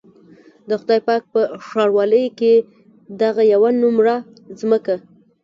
د خدای پاک په ښاروالۍ کې دغه يوه نومره ځمکه.